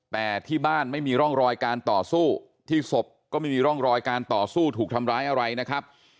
แต่ที่บ้านไม่มีร่องรอยการต่อสู้ที่ศพก็ไม่มีร่องรอยการต่อสู้ถูกทำร้ายอะไรนะครับ